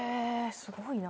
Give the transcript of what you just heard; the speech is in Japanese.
すごいな。